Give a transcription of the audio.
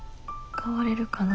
変われるかな。